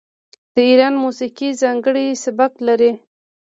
د ایران موسیقي ځانګړی سبک لري.